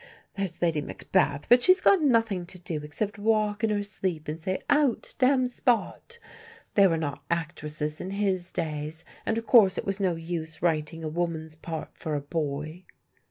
There's Lady Macbeth; but she's got nothing to do except walk in her sleep and say, 'Out, damned spot!' There were not actresses in his days, and of course it was no use writing a woman's part for a boy."